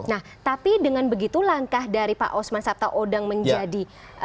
nah tapi dengan begitu langkah dari pak osman sabtaodang menjadi